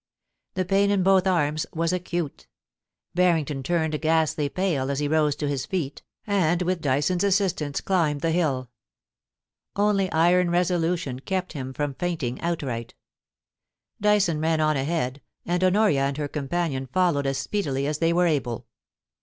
The pain in both arms was acute. Barrington turned ghastly pale as he rose to his feet, and, with Dyson's assbt 202 POUCY AND PASSION. ance, climbed the hilL Only iron resolution kept him from fainting outright Dyson ran on ahead, and Honoria and her companion followed as speedily as they were able.